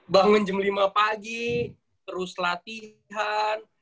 bangun jam lima pagi terus latihan